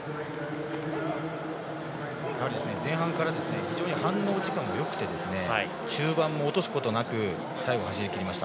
前半から非常に反応もよくて中盤も落とすことなく最後、走りきりました。